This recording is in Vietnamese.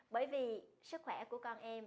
bởi vì sức khỏe của con em